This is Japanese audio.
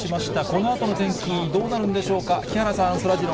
このあとの天気、どうなるんでし